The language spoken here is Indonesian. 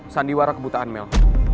sandiwara kebutaan mel